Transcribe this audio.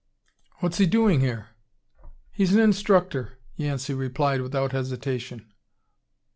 "What's he doing here?" "He's an instructor," Yancey replied without hesitation.